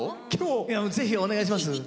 ぜひお願いします。